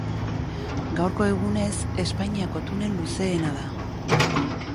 Gaurko egunez, Espainiako tunel luzeena da.